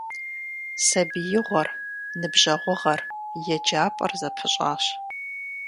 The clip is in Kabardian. Сабиигъуэр, ныбжьэгъугъэр, еджапӀэр зэпыщӀащ.